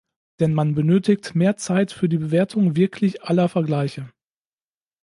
Denn man benötigt mehr Zeit für die Bewertung wirklich aller Vergleiche.